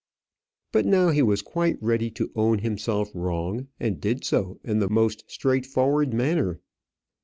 But now he was quite ready to own himself wrong, and did do so in the most straightforward manner.